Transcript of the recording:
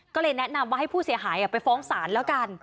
ก็เลยแนะนำว่าให้ผู้เสียหายไปฟ้องศาลแล้วกัน